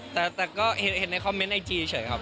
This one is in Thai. แต่ก็เห็นในคอมเมนต์ไอจีเฉยครับ